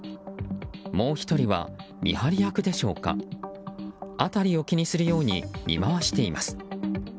もう１人は見張り役でしょうか辺りを気にするように見回しています。